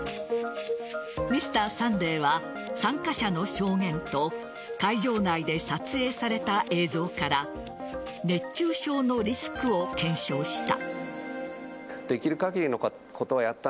「Ｍｒ．サンデー」は参加者の証言と会場内で撮影された映像から熱中症のリスクを検証した。